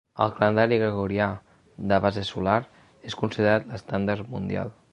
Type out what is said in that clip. El calendari gregorià, de base solar, és considerat l’estàndard mundial.